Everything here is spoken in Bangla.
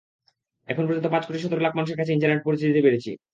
এখন পর্যন্ত পাঁচ কোটি সাত লাখ মানুষের কাছে ইন্টারনেট পৌঁছে দিতে পেরেছি।